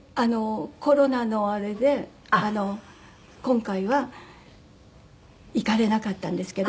コロナのあれで今回は行かれなかったんですけど。